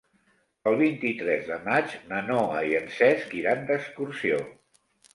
El vint-i-tres de maig na Noa i en Cesc iran d'excursió.